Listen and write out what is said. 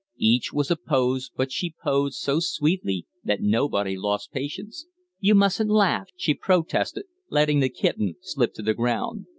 Each was a pose, but she posed so sweetly that nobody lost patience. "You mustn't laugh!" she protested, letting the kitten slip to the ground.